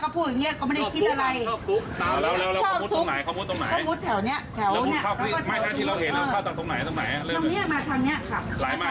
พอมาทางนี้ปุ๊บพี่บ้ายก็เลยบอกว่าพี่บ้ายก็เลยบอกว่าเดี๋ยวมันก็กลับมา